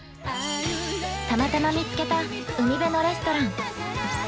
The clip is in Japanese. ◆たまたま見つけた海辺のレストラン。